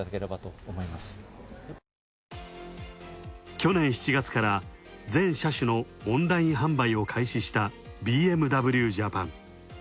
去年７月から全車種のオンライン販売を開始したＢＭＷジャパン。